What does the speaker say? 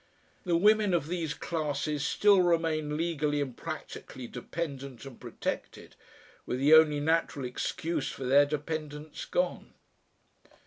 The women of these classes still remain legally and practically dependent and protected, with the only natural excuse for their dependence gone....